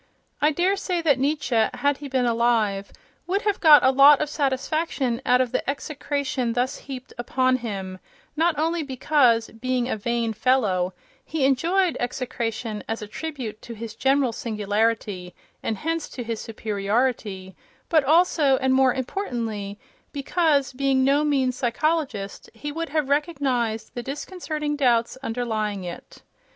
I daresay that Nietzsche, had he been alive, would have got a lot of satisfaction out of the execration thus heaped upon him, not only because, being a vain fellow, he enjoyed execration as a tribute to his general singularity, and hence to his superiority, but also and more importantly because, being no mean psychologist, he would have recognized the disconcerting doubts underlying it.